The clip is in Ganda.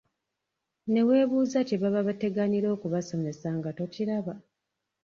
Ne weebuuza kye baba bateganira okubasomesa nga tokiraba!